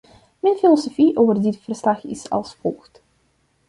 Mijn filosofie over dit verslag is als volgt.